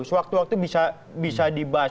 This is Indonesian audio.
sewaktu waktu bisa dibahas